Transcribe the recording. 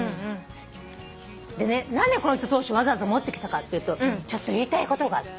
でね何でこの糸通しわざわざ持ってきたかっていうとちょっと言いたいことがあって。